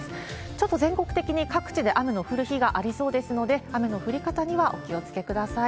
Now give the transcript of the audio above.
ちょっと全国的に各地で雨の降る日がありそうですので、雨の降り方にはお気をつけください。